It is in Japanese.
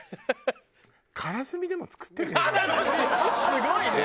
すごいね！